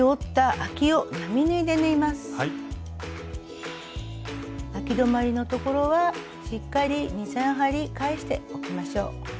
あき止まりの所はしっかり２３針返しておきましょう。